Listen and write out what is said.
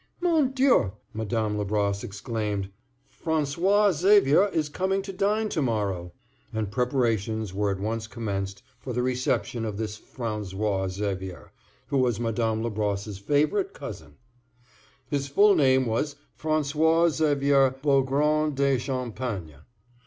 "Mon Dieu!" Madame Labrosse exclaimed, "François Xavier comes to dine to morrow!" And preparations were at once commenced for the reception of this François Xavier, who was Madame Labrosse's favorite cousin. His full name was François Xavier Beaugrand de Champagne.